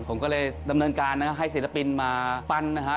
ผมก็เลยดำเนินการนะให้ศิลปินมาปั้นนะฮะ